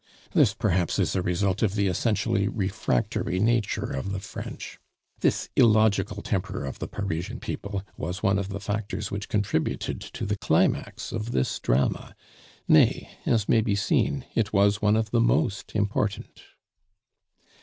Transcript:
This, perhaps, is a result of the essentially refractory nature of the French. This illogical temper of the Parisian people was one of the factors which contributed to the climax of this drama; nay, as may be seen, it was one of the most important.